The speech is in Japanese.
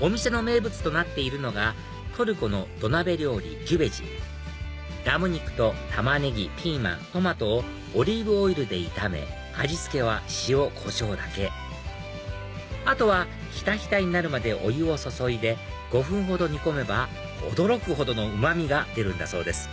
お店の名物となっているのがトルコの土鍋料理ギュベジラム肉とタマネギピーマントマトをオリーブオイルで炒め味付けは塩コショウだけあとはひたひたになるまでお湯を注いで５分ほど煮込めば驚くほどのうま味が出るんだそうです